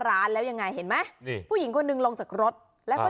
ร้านแล้วยังไงเห็นไหมนี่ผู้หญิงคนหนึ่งลงจากรถแล้วก็